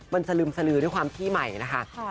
มันสลึมสลือด้วยความที่ใหม่นะคะ